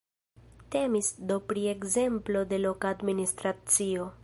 Temis do pri ekzemplo de loka administracio.